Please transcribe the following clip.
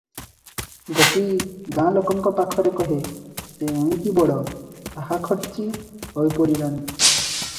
ଗୋପୀ ଗାଁ ଲୋକଙ୍କ ପାଖରେ କହେ, ସେ ଏଣିକି ବଡ଼ ସାହାଖର୍ଚ୍ଚୀ ହୋଇପଡ଼ିଲାଣି ।